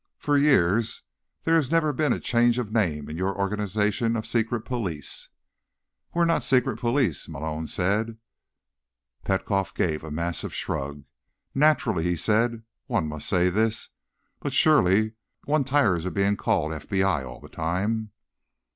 "For years, there has never been a change of name in your organization of secret police." "We're not secret police," Malone said. Petkoff gave a massive shrug. "Naturally," he said, "one must say this. But surely, one tires of being called FBI all the time."